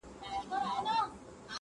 درته دعاوي هر ماښام كومه~